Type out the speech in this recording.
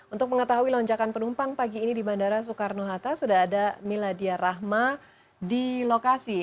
untuk mengetahui lonjakan penumpang pagi ini di bandara soekarno hatta sudah ada miladia rahma di lokasi